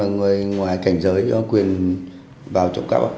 người ngoài cảnh giới cho quyền vào trộm cắp